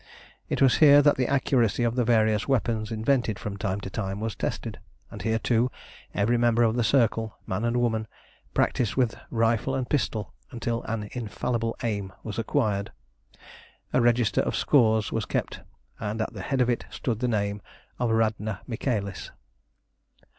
It was here that the accuracy of the various weapons invented from time to time was tested; and here, too, every member of the Circle, man and woman, practised with rifle and pistol until an infallible aim was acquired. A register of scores was kept, and at the head of it stood the name of Radna Michaelis.